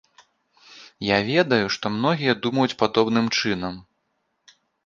Я ведаю, што многія думаюць падобным чынам.